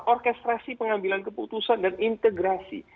orkestrasi pengambilan keputusan dan integrasi